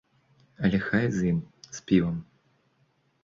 Але хай з ім, з півам.